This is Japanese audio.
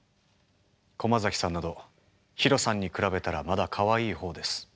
駒崎さんなどヒロさんに比べたらまだかわいい方です。